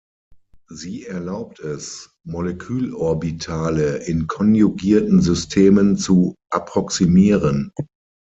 Sie erlaubt es, Molekülorbitale in konjugierten Systemen zu approximieren.